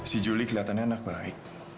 si juli kelihatannya anak baik